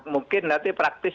mungkin nanti praktis